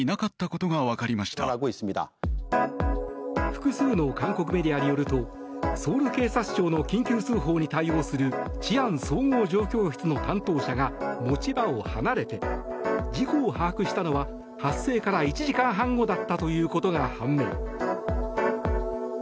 複数の韓国メディアによるとソウル警察庁の緊急通報に対応する治安総合状況室の担当者が持ち場を離れて事故を把握したのは発生から１時間半後だったということが判明。